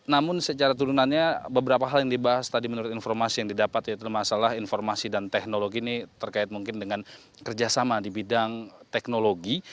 namun secara turunannya beberapa hal yang dibahas tadi menurut informasi yang didapat yaitu masalah informasi dan teknologi ini terkait mungkin dengan kerjasama di bidang teknologi